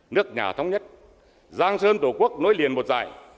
nước nhà thống nhất giang sơn tổ quốc nối liền một dài